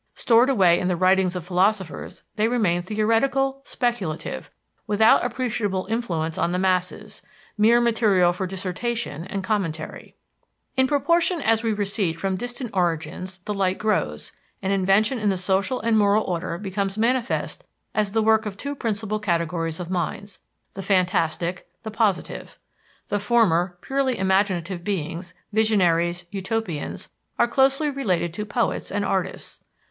Stored away in the writings of philosophers, they remain theoretical, speculative, without appreciable influence on the masses, mere material for dissertation and commentary. In proportion as we recede from distant origins the light grows, and invention in the social and moral order becomes manifest as the work of two principal categories of minds the fantastic, the positive. The former, purely imaginative beings, visionaries, utopians, are closely related to poets and artists.